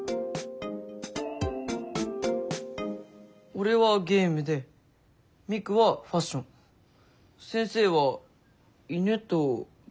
俺はゲームでミクはファッション先生は犬と文学。